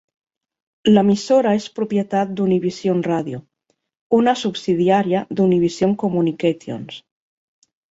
L'emissora és propietat d'Univision Radio, una subsidiària d'Univision Communications.